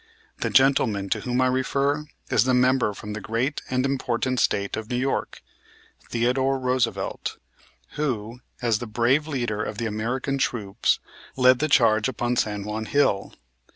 The gentleman to whom I refer, is the member from the great and important State of New York, Theodore Roosevelt, who, as the brave leader of the American troops, led the charge upon San Juan Hill.